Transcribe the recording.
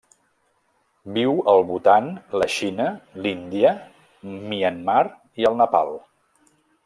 Viu al Bhutan, la Xina, l'Índia, Myanmar i el Nepal.